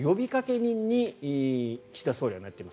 人に岸田総理はなっています。